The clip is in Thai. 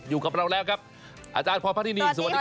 อยู่กับเราแล้วครับอาจารย์ความพระที่นี่สวัสดีค่ะ